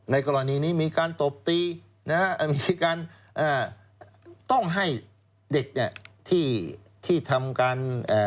ในกรณีนี้มีการตบตีมีการต้องให้เด็กที่ทำการ